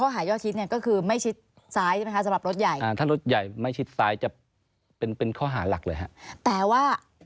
แต่ว่าเอาอย่างนี้นะคะ